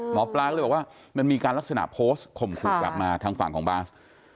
หมอปลาก็เลยบอกว่ามันมีการลักษณะโพสต์ข่มขู่กลับมาทางฝั่งของบาส